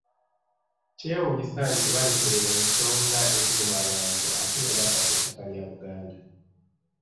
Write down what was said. Kyewuunyisa nti balekerera ensonga eziruma abantu ate ne badda ku ttaka lya Buganda.